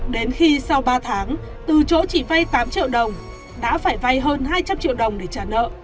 đến khi sau ba tháng từ chỗ chỉ vay tám triệu đồng đã phải vay hơn hai trăm linh triệu đồng để trả nợ